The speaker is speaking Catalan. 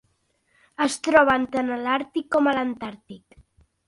Es troben tant en l'Àrtic com en l'Antàrtic.